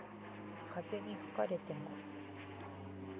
風に吹かれても